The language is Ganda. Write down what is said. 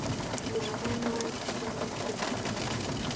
Kiyoola mwana wa ku kyenda kye.